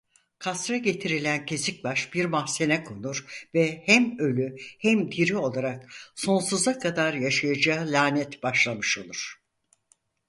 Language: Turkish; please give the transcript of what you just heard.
Kasra getirilen kesik baş bir mahzene konur ve hem ölü hem diri olarak sonsuza kadar yaşayacağı lanet başlamış olur.